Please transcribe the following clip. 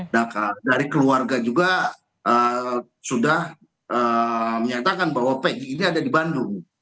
nah dari keluarga juga sudah menyatakan bahwa pg ini ada di bandung